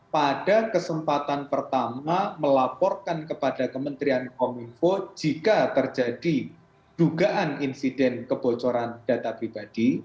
pada kesempatan pertama melaporkan kepada kementerian kominfo jika terjadi dugaan insiden kebocoran data pribadi